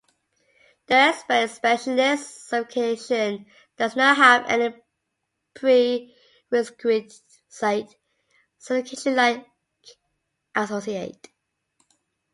The Expert and Specialist certification does not have any prerequisite certification like Associate.